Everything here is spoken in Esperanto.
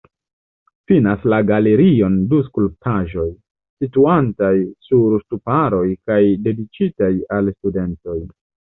Finas la galerion du skulptaĵoj, situantaj sur ŝtuparoj kaj dediĉitaj al studentoj.